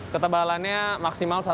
ketebalannya maksimal satu dua